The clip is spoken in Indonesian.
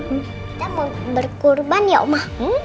kita mau berkurban ya oma